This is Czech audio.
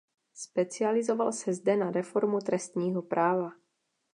Specializoval se zde na reformu trestního práva.